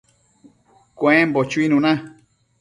cuembo chuinuna